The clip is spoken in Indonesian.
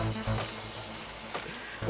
kalau kamu cabut untuk tan hanong